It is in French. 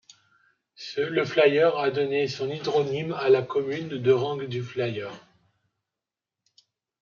Le Fliers a donné son hydronyme à la commune de Rang-du-Fliers.